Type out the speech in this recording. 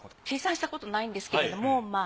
計算したことないんですけれども。